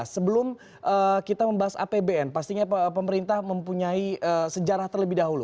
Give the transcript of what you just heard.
sebelum kita membahas apbn pastinya pemerintah mempunyai sejarah terlebih dahulu